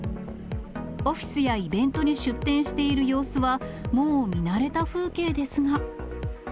オフィスやイベントに出店している様子は、もう見慣れた風景ですが。